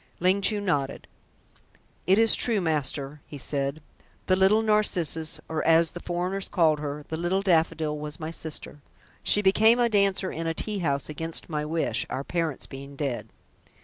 Ling Chu nodded. "It is true, master," he said. "The Little Narcissus, or as the foreigners called her, the Little Daffodil, was my sister. She became a dancer in a tea house against my wish, our parents being dead.